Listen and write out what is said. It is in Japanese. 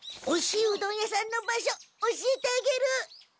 おいしいうどん屋さんの場所教えてあげる。